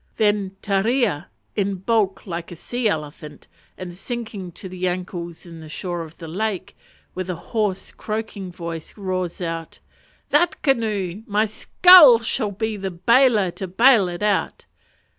Then Tareha, in bulk like a sea elephant, and sinking to the ankles in the shore of the lake, with a hoarse croaking voice roars out, "That canoe! my scull shall be the bailer to bail it out."